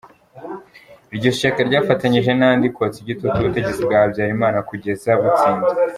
Iryo shyaka ryafatanyije n’andi kotsa igitutu ubutegetsi bwa Habyarimana kugeza butsinzwe.